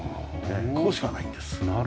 ここしかないんです。